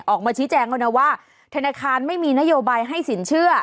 ออกมาชี้แจงแล้วนะว่าธนาคารไม่มีนโยบายให้สินเชื่อ